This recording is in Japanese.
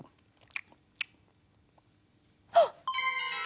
あっ！